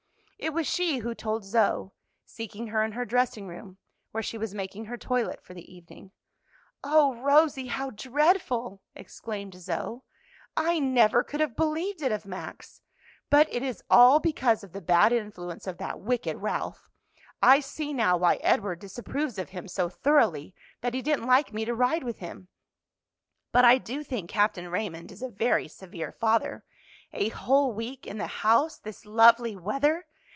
It was she who told Zoe, seeking her in her dressing room, where she was making her toilet for the evening. "Oh, Rosie, how dreadful!" exclaimed Zoe. "I never could have believed it of Max! but it is all because of the bad influence of that wicked Ralph. I see now why Edward disapproves of him so thoroughly that he didn't like me to ride with him. But I do think Captain Raymond is a very severe father. A whole week in the house this lovely weather!